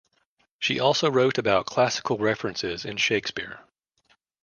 She also wrote about classical references in Shakespeare.